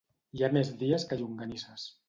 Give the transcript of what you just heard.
Hi ha més dies que llonganisses.